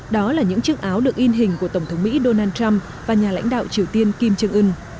đó là những chiếc áo được in hình của tổng thống mỹ donald trump và nhà lãnh đạo triều tiên kim trương ưn